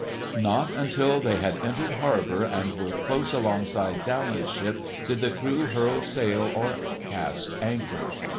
Not until they had entered harbour and were close alongside Daland's ship did the crew furl sail or cast anchor.